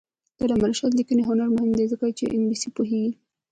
د علامه رشاد لیکنی هنر مهم دی ځکه چې انګلیسي پوهېږي.